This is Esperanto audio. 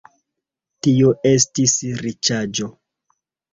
Tio estis riĉaĵo.